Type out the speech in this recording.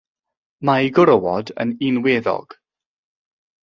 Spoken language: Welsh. Mae gwrywod yn unweddog.